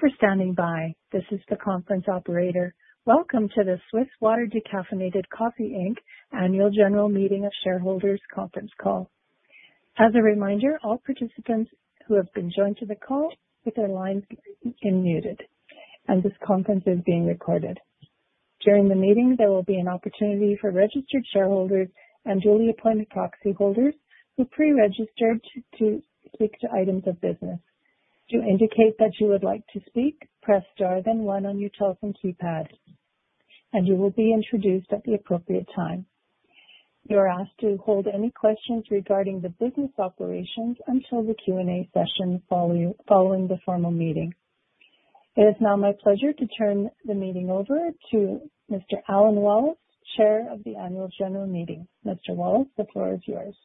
Thank you for standing by. This is the conference operator. Welcome to the Swiss Water Decaffeinated Coffee Inc. Annual General Meeting of Shareholders Conference Call. As a reminder, all participants who have been joined to the call with their lines muted, and this conference is being recorded. During the meeting, there will be an opportunity for registered shareholders and duly appointed proxy holders who pre-registered to speak to items of business. To indicate that you would like to speak, press star then one on your telephone keypad, and you will be introduced at the appropriate time. You're asked to hold any questions regarding the business operations until the Q&A session following the formal meeting. It is now my pleasure to turn the meeting over to Mr. Alan Wallace, chair of the annual general meeting. Mr. Wallace, the floor is yours.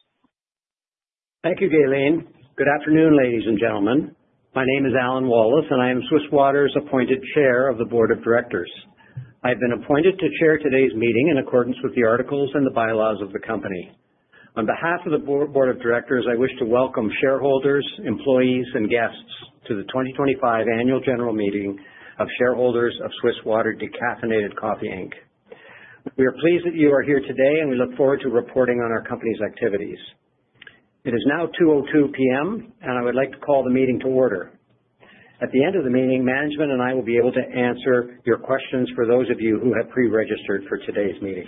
Thank you, Gaylene. Good afternoon, ladies and gentlemen. My name is Alan Wallace, and I am Swiss Water's appointed Chair of the board of directors. I've been appointed to chair today's meeting in accordance with the articles and the bylaws of the company. On behalf of the board of directors, I wish to welcome shareholders, employees, and guests to the 2025 annual general meeting of shareholders of Swiss Water Decaffeinated Coffee Inc. We are pleased that you are here today, and we look forward to reporting on our company's activities. It is now 2:02 P.M., and I would like to call the meeting to order. At the end of the meeting, management and I will be able to answer your questions for those of you who have pre-registered for today's meeting.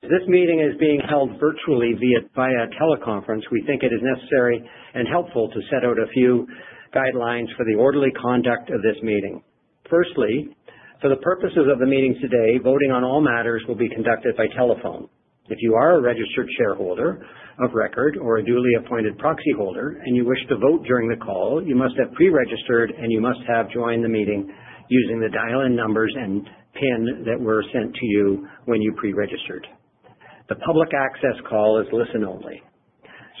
This meeting is being held virtually via teleconference. We think it is necessary and helpful to set out a few guidelines for the orderly conduct of this meeting. First, for the purposes of the meeting today, voting on all matters will be conducted by telephone. If you are a registered shareholder of record or a duly appointed proxy holder and you wish to vote during the call, you must have pre-registered, and you must have joined the meeting using the dial-in numbers and PIN that were sent to you when you pre-registered. The public access call is listen only.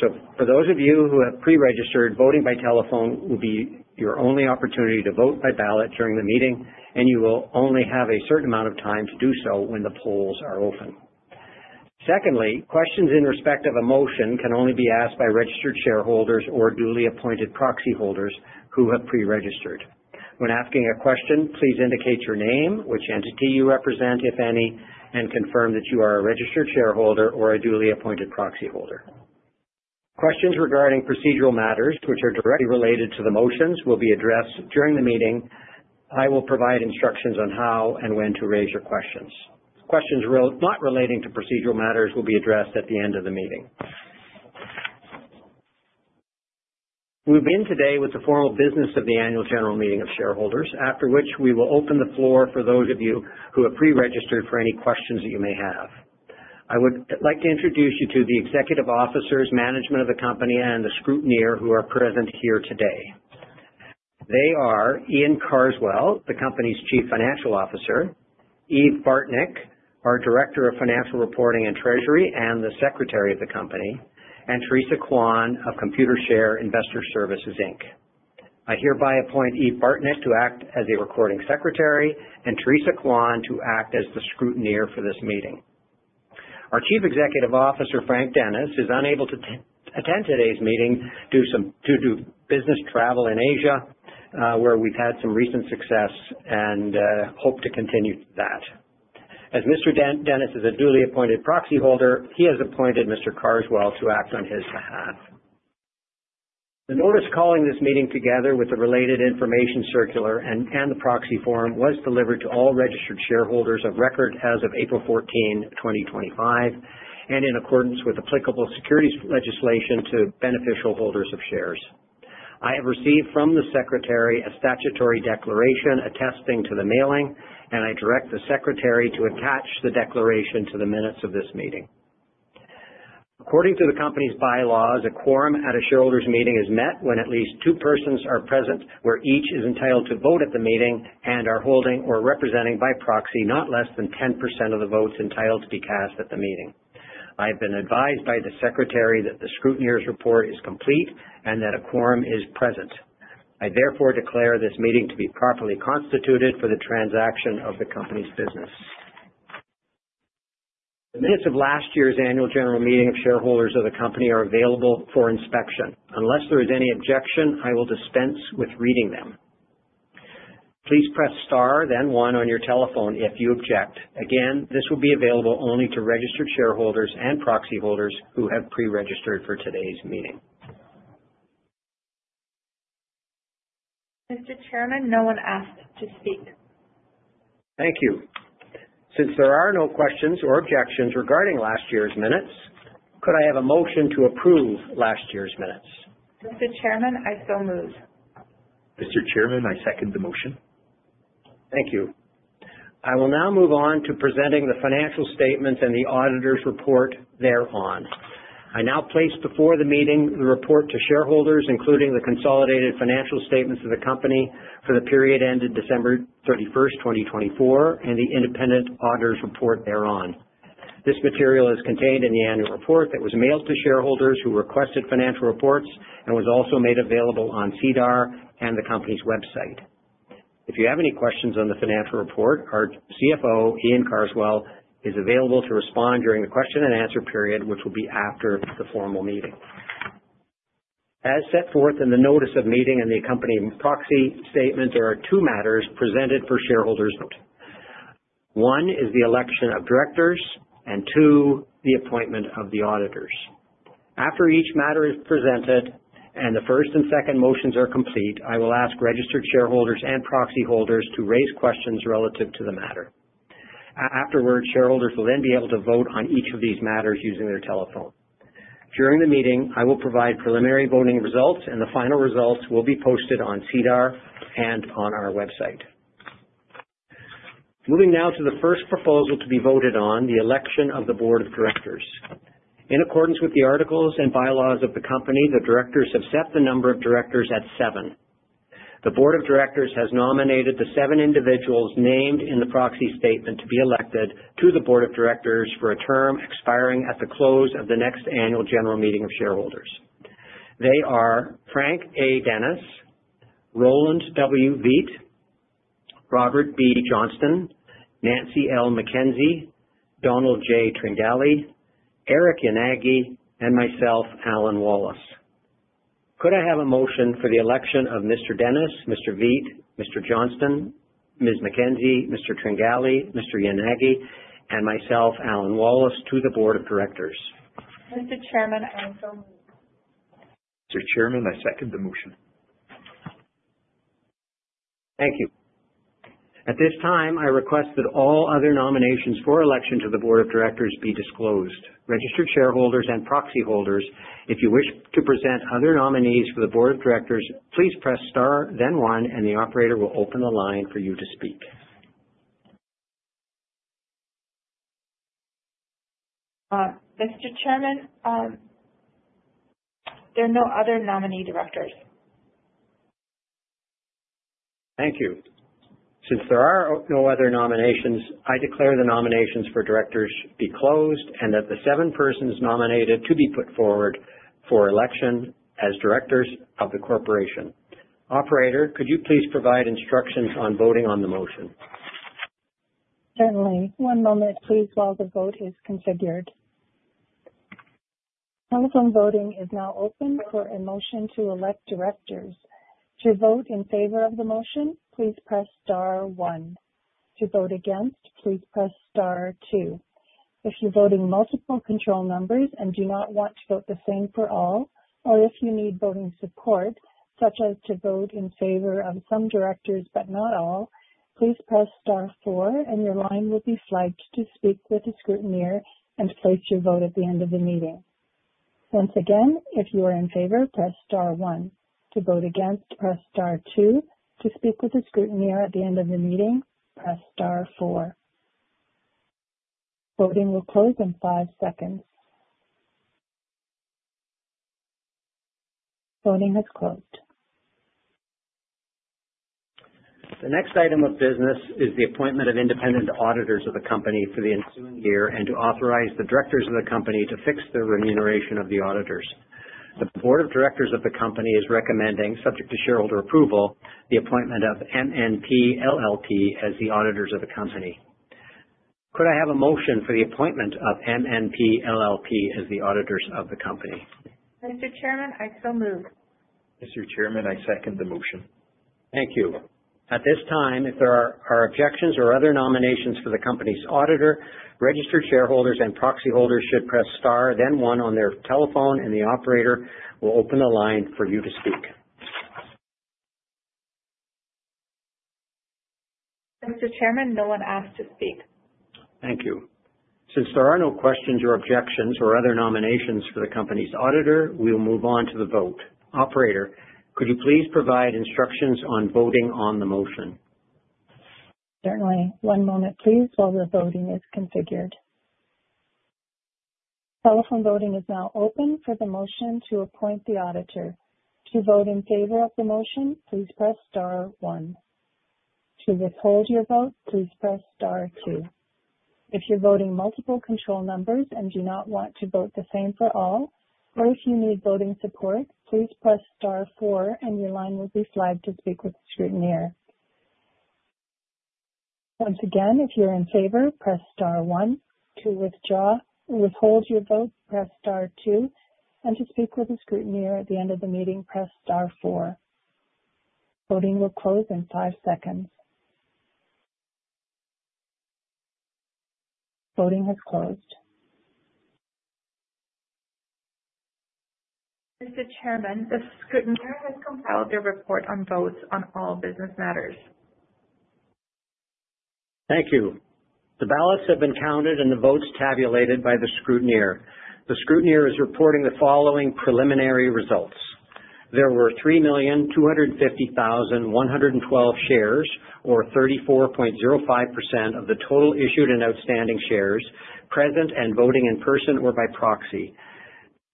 For those of you who have pre-registered, voting by telephone will be your only opportunity to vote by ballot during the meeting, and you will only have a certain amount of time to do so when the polls are open. Secondly, questions in respect of a motion can only be asked by registered shareholders or duly appointed proxy holders who have pre-registered. When asking a question, please indicate your name, which entity you represent, if any, and confirm that you are a registered shareholder or a duly appointed proxy holder. Questions regarding procedural matters, which are directly related to the motions, will be addressed during the meeting. I will provide instructions on how and when to raise your questions. Questions not relating to procedural matters will be addressed at the end of the meeting. We begin today with the formal business of the Annual General Meeting of Shareholders, after which we will open the floor for those of you who have pre-registered for any questions that you may have. I would like to introduce you to the executive officers, management of the company, and the scrutineer who are present here today. They are Iain Carswell, the company's Chief Financial Officer, Eve Bartnik, our Director of Financial Reporting and Treasury, and the Secretary of the Company, and Teresa Kwan of Computershare Investor Services Inc. I hereby appoint Eve Bartnik to act as a recording secretary and Teresa Kwan to act as the scrutineer for this meeting. Our Chief Executive Officer, Frank Dennis, is unable to attend today's meeting due to business travel in Asia, where we've had some recent success and hope to continue that. As Mr. Dennis is a duly appointed proxy holder, he has appointed Mr. Carswell to act on his behalf. The notice calling this meeting together with the related information circular and the proxy form was delivered to all registered shareholders of record as of April 14, 2025 and in accordance with applicable securities legislation to beneficial holders of shares. I have received from the secretary a statutory declaration attesting to the mailing, and I direct the secretary to attach the declaration to the minutes of this meeting. According to the company's bylaws, a quorum at a shareholders' meeting is met when at least two persons are present, where each is entitled to vote at the meeting and are holding or representing by proxy not less than 10% of the votes entitled to be cast at the meeting. I have been advised by the secretary that the scrutineer's report is complete and that a quorum is present. I therefore declare this meeting to be properly constituted for the transaction of the company's business. The minutes of last year's annual general meeting of shareholders of the company are available for inspection. Unless there is any objection, I will dispense with reading them. Please press star then one on your telephone if you object. Again, this will be available only to registered shareholders and proxy holders who have pre-registered for today's meeting. Mr. Chairman, no one asked to speak. Thank you. Since there are no questions or objections regarding last year's minutes, could I have a motion to approve last year's minutes? Mr. Chairman, I so move. Mr. Chairman, I second the motion. Thank you. I will now move on to presenting the financial statements and the auditor's report thereon. I now place before the meeting the report to shareholders, including the consolidated financial statements of the company for the period ended December 31, 2024, and the independent auditor's report thereon. This material is contained in the annual report that was mailed to shareholders who requested financial reports and was also made available on SEDAR and the company's website. If you have any questions on the financial report, our CFO, Iain Carswell, is available to respond during the question and answer period, which will be after the formal meeting. As set forth in the notice of meeting and the accompanying proxy statement, there are two matters presented for shareholders' vote. One is the election of directors and two, the appointment of the auditors. After each matter is presented and the first and second motions are complete, I will ask registered shareholders and proxy holders to raise questions relative to the matter. Afterward, shareholders will then be able to vote on each of these matters using their telephone. During the meeting, I will provide preliminary voting results, and the final results will be posted on SEDAR and on our website. Moving now to the first proposal to be voted on, the election of the board of directors. In accordance with the articles and bylaws of the company, the directors have set the number of directors at seven. The board of directors has nominated the seven individuals named in the proxy statement to be elected to the board of directors for a term expiring at the close of the next annual general meeting of shareholders. They are Frank A. Dennis, Roland W. Veit, Robert B. Johnston, Nancy L. McKenzie, Donald J. Tringali, Eric Yanagi, and myself, Alan Wallace. Could I have a motion for the election of Mr. Dennis, Mr. Veit, Mr. Johnston, Ms. McKenzie, Mr. Tringali, Mr. Yanagi, and myself, Alan Wallace, to the board of directors? Mr. Chairman, I so move. Mr. Chairman, I second the motion. Thank you. At this time, I request that all other nominations for election to the board of directors be disclosed. Registered shareholders and proxy holders, if you wish to present other nominees for the board of directors, please press star then one, and the operator will open the line for you to speak. Mr. Chairman, there are no other nominee directors. Thank you. Since there are no other nominations, I declare the nominations for directors be closed and that the seven persons nominated to be put forward for election as directors of the corporation. Operator, could you please provide instructions on voting on the motion? Certainly. One moment please while the vote is configured. Telephone voting is now open for a motion to elect directors. To vote in favor of the motion, please press star one. To vote against, please press star two. If you're voting multiple control numbers and do not want to vote the same for all, or if you need voting support, such as to vote in favor of some directors but not all, please press star four and your line will be flagged to speak with the scrutineer and place your vote at the end of the meeting. Once again, if you are in favor, press star one. To vote against, press star two. To speak with the scrutineer at the end of the meeting, press star four. Voting will close in five seconds. Voting has closed. The next item of business is the appointment of independent auditors of the company for the ensuing year and to authorize the directors of the company to fix the remuneration of the auditors. The board of directors of the company is recommending, subject to shareholder approval, the appointment of MNP LLP as the auditors of the company. Could I have a motion for the appointment of MNP LLP as the auditors of the company? Mr. Chairman, I so move. Mr. Chairman, I second the motion. Thank you. At this time, if there are objections or other nominations for the company's auditor, registered shareholders and proxy holders should press star then one on their telephone, and the operator will open the line for you to speak. Mr. Chairman, no one asked to speak. Thank you. Since there are no questions or objections or other nominations for the company's auditor, we'll move on to the vote. Operator, could you please provide instructions on voting on the motion? Certainly. One moment, please, while the voting is configured. Telephone voting is now open for the motion to appoint the auditor. To vote in favor of the motion, please press star one. To withhold your vote, please press star two. If you're voting multiple control numbers and do not want to vote the same for all, or if you need voting support, please press star four and your line will be flagged to speak with the scrutineer. Once again, if you're in favor, press star one. To withhold your vote, press star two, and to speak with the scrutineer at the end of the meeting, press star four. Voting will close in five seconds. Voting has closed. Mr. Chairman, the scrutineer has compiled their report on votes on all business matters. Thank you. The ballots have been counted and the votes tabulated by the scrutineer. The scrutineer is reporting the following preliminary results. There were 3,250,112 shares, or 34.05% of the total issued and outstanding shares present and voting in person or by proxy.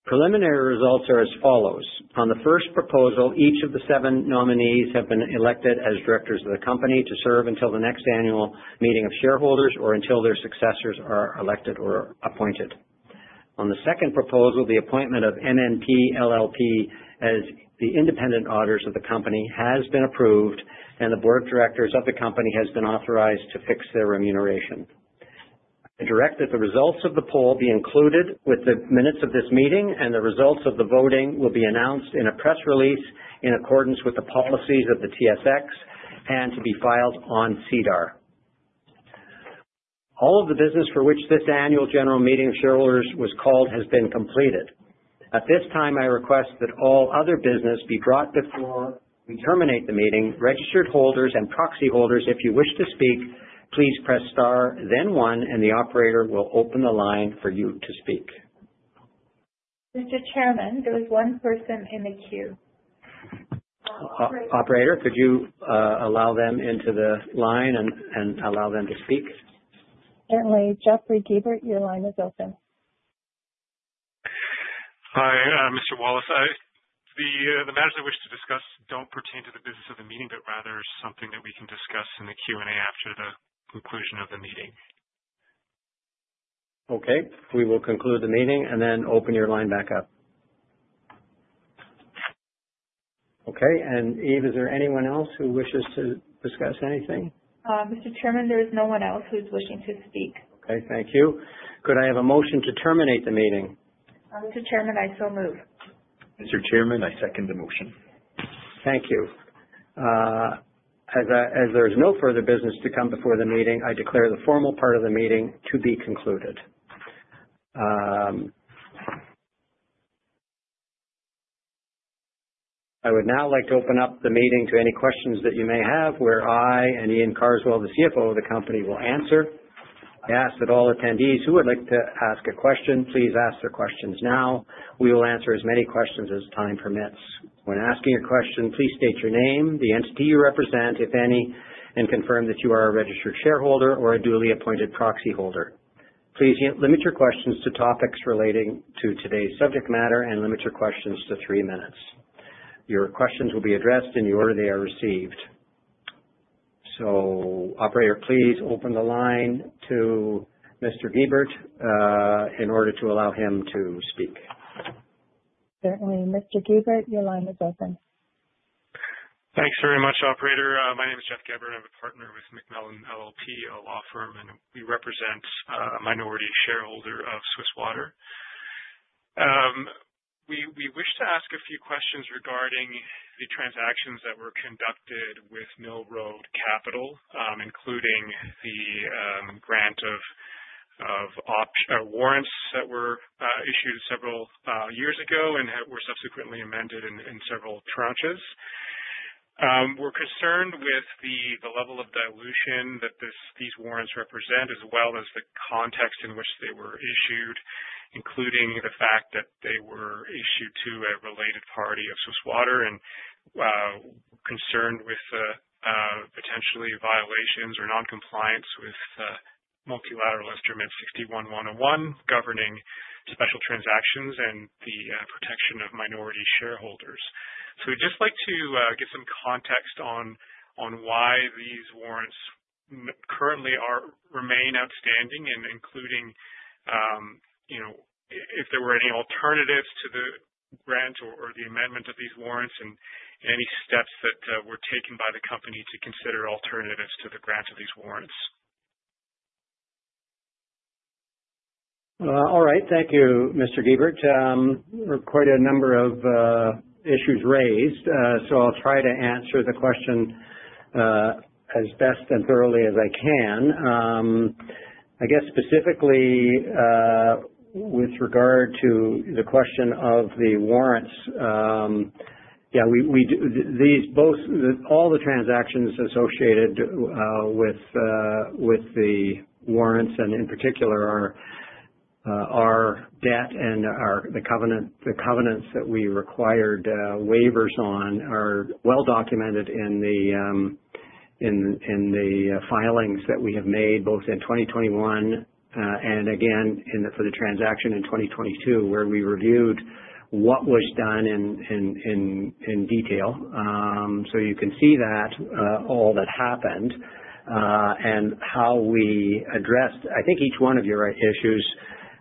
Preliminary results are as follows. On the first proposal, each of the seven nominees have been elected as directors of the company to serve until the next annual meeting of shareholders or until their successors are elected or appointed. On the second proposal, the appointment of MNP LLP as the independent auditors of the company has been approved, and the board of directors of the company has been authorized to fix their remuneration. I direct that the results of the poll be included with the minutes of this meeting, and the results of the voting will be announced in a press release in accordance with the policies of the TSX and to be filed on SEDAR. All of the business for which this annual general meeting of shareholders was called has been completed. At this time, I request that all other business be brought to the floor. We terminate the meeting. Registered holders and proxy holders, if you wish to speak, please press star, then one, and the operator will open the line for you to speak. Mr. Chairman, there is one person in the queue. Operator, could you allow them into the line and allow them to speak? Certainly. Jeffrey Gebert, your line is open. Hi, Mr. Wallace. The matters I wish to discuss don't pertain to the business of the meeting, but rather something that we can discuss in the Q&A after the conclusion of the meeting. Okay. We will conclude the meeting and then open your line back up. Okay. Eve, is there anyone else who wishes to discuss anything? Mr. Chairman, there is no one else who's wishing to speak. Okay. Thank you. Could I have a motion to terminate the meeting? Mr. Chairman, I so move. Mr. Chairman, I second the motion. Thank you. As there is no further business to come before the meeting, I declare the formal part of the meeting to be concluded. I would now like to open up the meeting to any questions that you may have, where I and Iain Carswell, the CFO of the company, will answer. I ask that all attendees who would like to ask a question, please ask their questions now. We will answer as many questions as time permits. When asking a question, please state your name, the entity you represent, if any, and confirm that you are a registered shareholder or a duly appointed proxy holder. Please limit your questions to topics relating to today's subject matter and limit your questions to three minutes. Your questions will be addressed in the order they are received. Operator, please open the line to Mr. Gebert in order to allow him to speak. Certainly. Mr. Gebert, your line is open. Thanks very much, operator. My name is Jeff Gebert. I'm a partner with McMillan LLP, a law firm, and we represent a minority shareholder of Swiss Water. We wish to ask a few questions regarding the transactions that were conducted with Mill Road Capital, including the grant of warrants that were issued several years ago and were subsequently amended in several tranches. We're concerned with the level of dilution that these warrants represent, as well as the context in which they were issued, including the fact that they were issued to a related party of Swiss Water. We're concerned with potential violations or noncompliance with Multilateral Instrument 61-101 governing special transactions and the protection of minority shareholders. We'd just like to get some context on why these warrants currently remain outstanding, including you know if there were any alternatives to the grant or the amendment of these warrants and any steps that were taken by the company to consider alternatives to the grant of these warrants. All right. Thank you, Mr. Gebert. There were quite a number of issues raised, so I'll try to answer the question as best and thoroughly as I can. I guess specifically, with regard to the question of the warrants, yeah, all the transactions associated with the warrants and in particular our debt and the covenants that we required waivers on are well documented in the filings that we have made both in 2021 and again for the transaction in 2022, where we reviewed what was done in detail. You can see that all that happened and how we addressed, I think each one of your issues,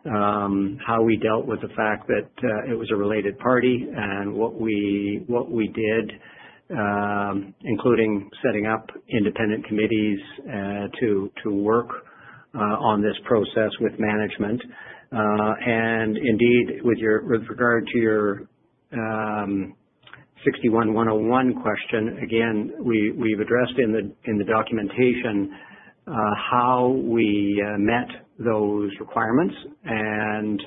how we dealt with the fact that it was a related party and what we did, including setting up independent committees to work on this process with management. Indeed, with regard to your 61-101 question, again, we've addressed in the documentation how we met those requirements and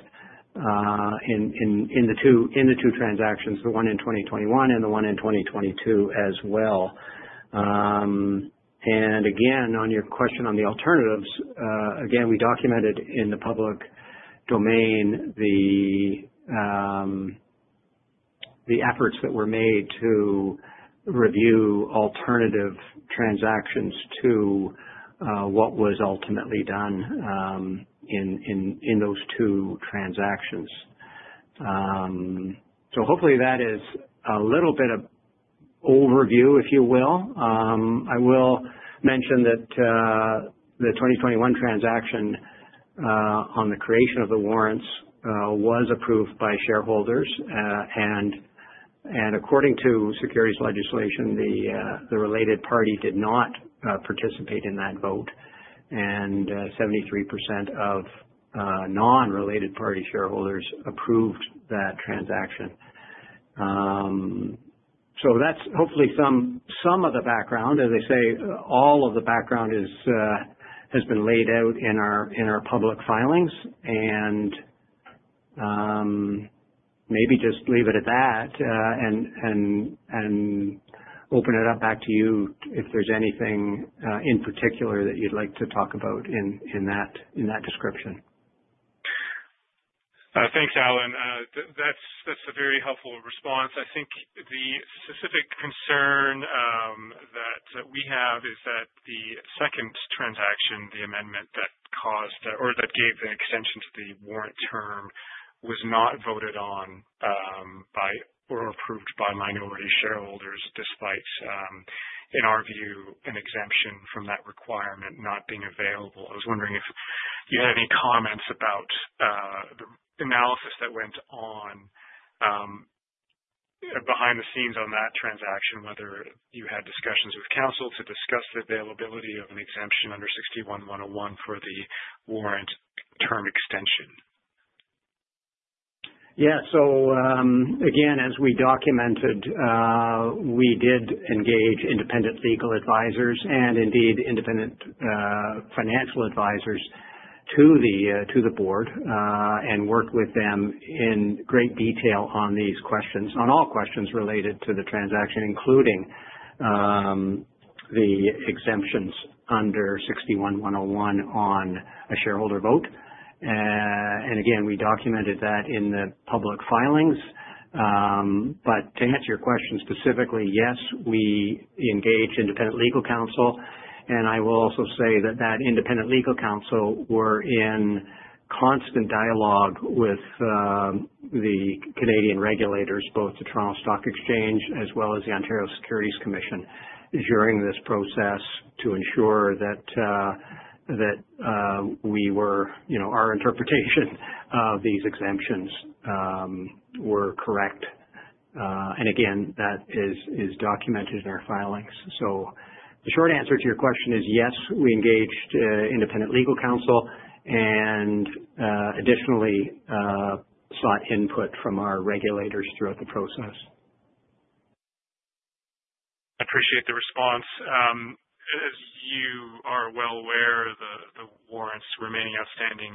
in the two transactions, the one in 2021 and the one in 2022 as well. Again, on your question on the alternatives, again, we documented in the public domain the efforts that were made to review alternative transactions to what was ultimately done in those two transactions. Hopefully that is a little bit of overview, if you will. I will mention that the 2021 transaction on the creation of the warrants was approved by shareholders. According to securities legislation, the related party did not participate in that vote. 73% of non-related party shareholders approved that transaction. That's hopefully some of the background. As I say, all of the background has been laid out in our public filings, and maybe just leave it at that, and open it up back to you if there's anything in particular that you'd like to talk about in that description. Thanks, Alan. That's a very helpful response. I think the specific concern that we have is that the second transaction, the amendment that caused or that gave the extension to the warrant term, was not voted on by or approved by minority shareholders, despite in our view, an exemption from that requirement not being available. I was wondering if you had any comments about the analysis that went on behind the scenes on that transaction, whether you had discussions with counsel to discuss the availability of an exemption under 61-101 for the warrant term extension. Yeah. Again, as we documented, we did engage independent legal advisors and indeed independent financial advisors to the board and worked with them in great detail on these questions, on all questions related to the transaction, including the exemptions under 61-101 on a shareholder vote. Again, we documented that in the public filings. To answer your question specifically, yes, we engaged independent legal counsel, and I will also say that that independent legal counsel were in constant dialogue with the Canadian regulators, both the Toronto Stock Exchange as well as the Ontario Securities Commission, during this process to ensure that we were. You know, our interpretation of these exemptions were correct. Again, that is documented in our filings. The short answer to your question is yes, we engaged independent legal counsel and additionally sought input from our regulators throughout the process. Appreciate the response. As you are well aware, the warrants remaining outstanding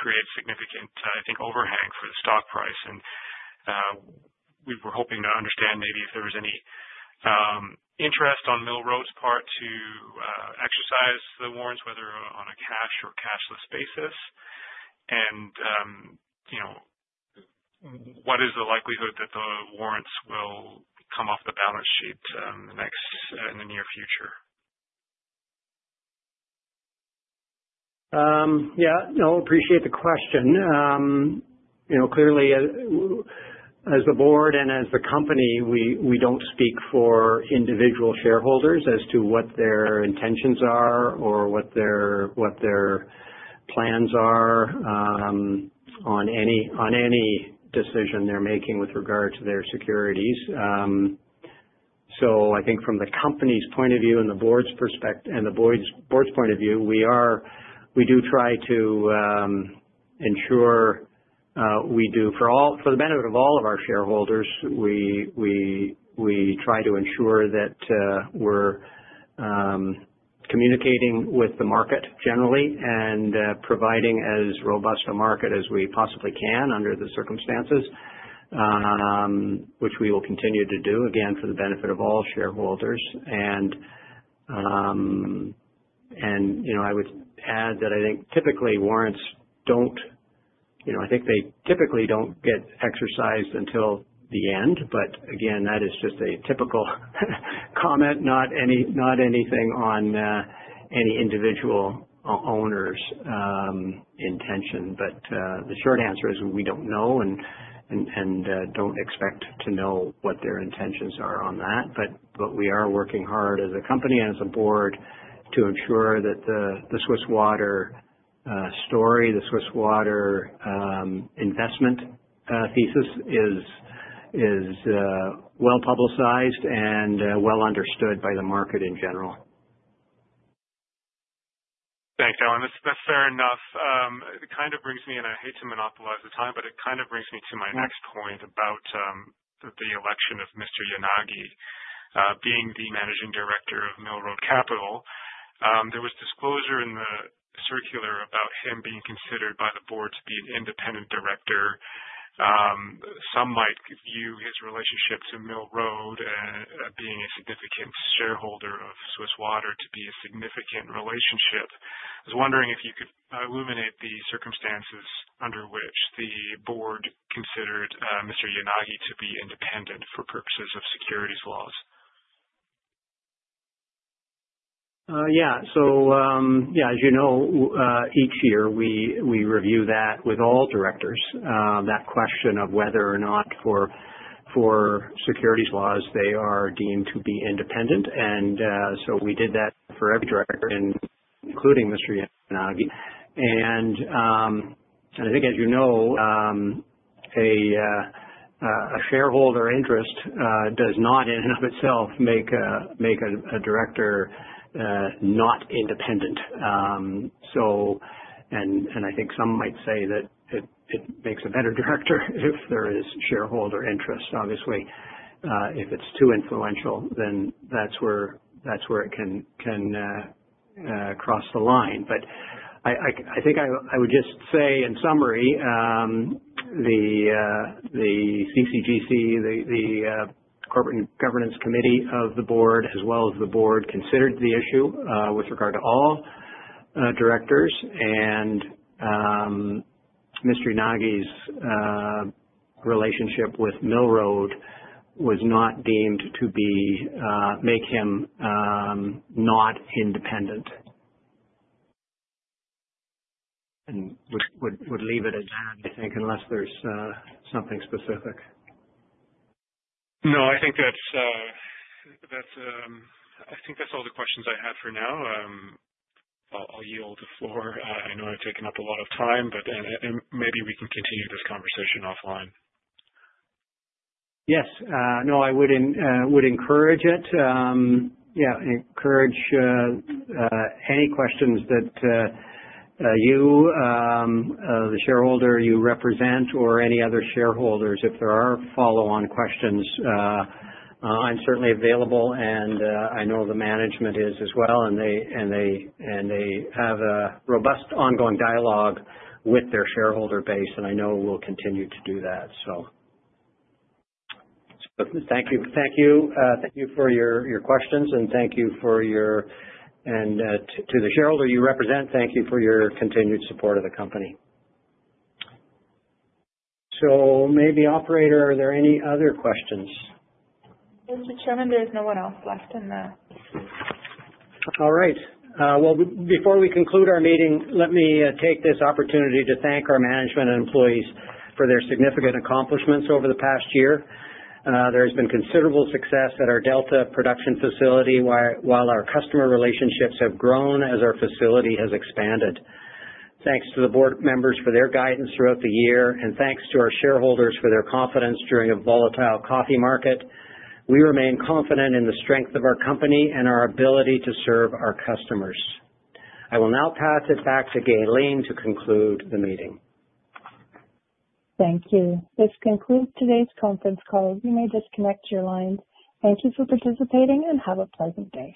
create significant, I think, overhang for the stock price. We were hoping to understand maybe if there was any interest on Mill Road's part to exercise the warrants, whether on a cash or cashless basis. What is the likelihood that the warrants will come off the balance sheet in the near future? Yeah, no, appreciate the question. You know, clearly as the board and as the company, we don't speak for individual shareholders as to what their intentions are or what their plans are on any decision they're making with regard to their securities. I think from the company's point of view and the board's point of view, we do try to ensure, for the benefit of all of our shareholders, we try to ensure that we're communicating with the market generally and providing as robust a market as we possibly can under the circumstances, which we will continue to do, again, for the benefit of all shareholders. You know, I would add that I think typically warrants don't, you know, I think they typically don't get exercised until the end. But again, that is just a typical comment, not any, not anything on any individual owner's intention. The short answer is we don't know and don't expect to know what their intentions are on that. We are working hard as a company and as a board to ensure that the Swiss Water story, the Swiss Water investment thesis is well-publicized and well understood by the market in general. Thanks, Alan. That's fair enough. It kind of brings me, and I hate to monopolize the time, but it kind of brings me to my next point about the election of Mr. Yanagi, being the managing director of Mill Road Capital. There was disclosure in the circular about him being considered by the board to be an independent director. Some might view his relationships in Mill Road, being a significant shareholder of Swiss Water to be a significant relationship. I was wondering if you could illuminate the circumstances under which the board considered Mr. Yanagi to be independent for purposes of securities laws. Yeah. As you know, each year we review that with all directors, that question of whether or not for securities laws they are deemed to be independent. We did that for every director including Mr. Yanagi. I think as you know, a shareholder interest does not in itself make a director not independent. I think some might say that it makes a better director if there is shareholder interest. Obviously, if it's too influential, then that's where it can cross the line. I think I would just say in summary, the Corporate Governance and Compensation Committee of the board as well as the board considered the issue with regard to all directors. Mr. Yanagi's relationship with Mill Road was not deemed to make him not independent. I would leave it at that, I think, unless there's something specific. No, I think that's all the questions I have for now. I'll yield the floor. I know I've taken up a lot of time, but and maybe we can continue this conversation offline. Yes. No, I would encourage it. Yeah, encourage any questions that the shareholder you represent or any other shareholders, if there are follow-on questions, I'm certainly available and I know the management is as well. They have a robust ongoing dialogue with their shareholder base, and I know we'll continue to do that. Thank you. Thank you for your questions and thank you for your-. To the shareholder you represent, thank you for your continued support of the company. Maybe, operator, are there any other questions? Mr. Chairman, there's no one else left in the-. All right. Well, before we conclude our meeting, let me take this opportunity to thank our management and employees for their significant accomplishments over the past year. There's been considerable success at our Delta production facility, while our customer relationships have grown as our facility has expanded. Thanks to the board members for their guidance throughout the year, and thanks to our shareholders for their confidence during a volatile coffee market. We remain confident in the strength of our company and our ability to serve our customers. I will now pass it back to Gaylene to conclude the meeting. Thank you. This concludes today's conference call. You may disconnect your lines. Thank you for participating and have a pleasant day.